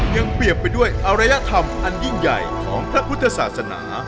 ยังเปรียบไปด้วยอรยธรรมอันยิ่งใหญ่ของพระพุทธศาสนา